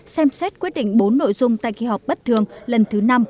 xem xét quyết định bốn nội dung tại kỳ họp bất thường lần thứ năm